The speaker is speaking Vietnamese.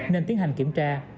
nên tiến hành kiểm tra